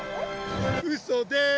うそです！